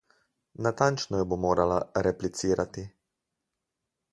Natančno jo bo morala replicirati.